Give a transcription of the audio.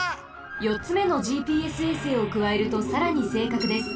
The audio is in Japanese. よっつめのＧＰＳ衛星をくわえるとさらにせいかくです。